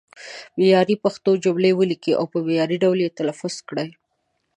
معیاري پښتو جملې ولیکئ او په معیاري ډول یې تلفظ کړئ.